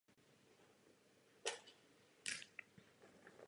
Svoji uměleckou dráhu začínal jakožto rozhlasový moderátor.